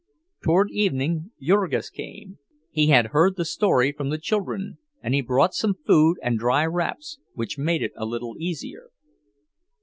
Toward evening Jurgis came; he had heard the story from the children, and he brought some food and dry wraps, which made it a little easier.